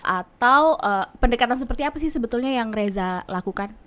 atau pendekatan seperti apa sih sebetulnya yang reza lakukan